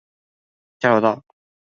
交流道